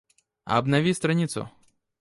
Обнови страницу